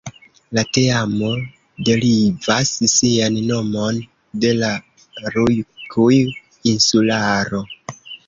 La teamo derivas sian nomon de la Rjukju-insularo.